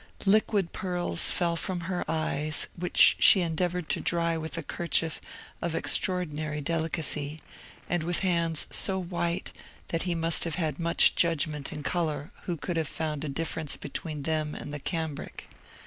Liquid pearls fell from her eyes, which she endeavoured to dry with a kerchief of extraordinary delicacy, and with hands so white that he must have had much judgment in colour who could have found a difference between them and the cambric.